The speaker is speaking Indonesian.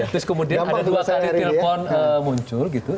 terus kemudian ada dua kali telpon muncul gitu